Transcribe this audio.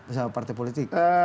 bersama partai politik